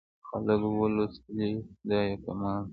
خلکو ولوستلې دا یې کمال و.